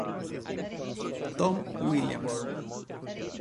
Tom Williams